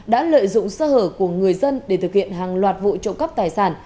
đã lợi dụng sơ hở của người dân để thực hiện hàng loạt vụ trộm cắp tài sản